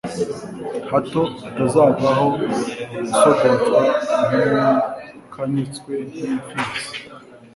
hato utazavaho usogotwa nk'unyukanyutswe n'imfizi